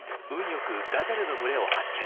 よくガゼルの群れを発見。